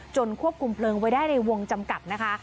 ควบคุมเพลิงไว้ได้ในวงจำกัดนะคะ